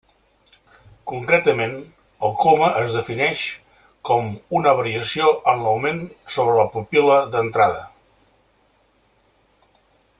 Concretament, el coma es defineix com una variació en l'augment sobre la pupil·la d'entrada.